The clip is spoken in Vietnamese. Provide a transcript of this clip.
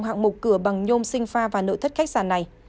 hạng mục cửa bằng nhôm sinh pha và nội thất khách sạn này